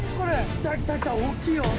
・きたきたきた大きいよ。